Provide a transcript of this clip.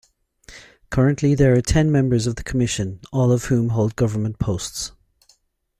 Currently there are ten members of the Commission, all of whom hold government posts.